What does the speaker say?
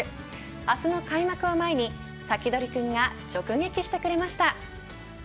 明日の開幕を前にサキドリくんが直撃してくれました。